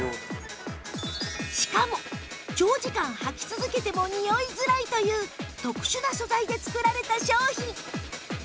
しかも長時間はき続けても臭いづらいという特殊な素材で作られた商品